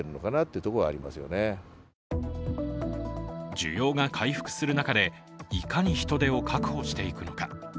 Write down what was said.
需要が回復する中で、いかに人手を確保していくのか。